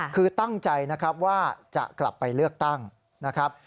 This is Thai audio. คือตั้งใจนะครับว่าจะกลับไปเลือกตั้งนะครับ